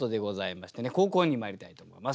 後攻にまいりたいと思います。